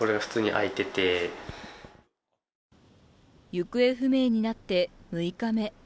行方不明になって６日目。